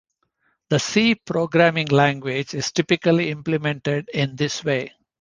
The C programming language is typically implemented in this way.